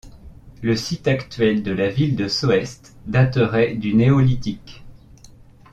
Le site actuel de la ville de Soest daterait du néolithique.